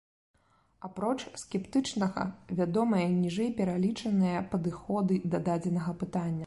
Апроч скептычнага, вядомыя ніжэйпералічаныя падыходы да дадзенага пытання.